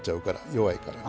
弱いからね。